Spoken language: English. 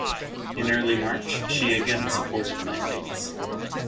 In early March, she again supported landings.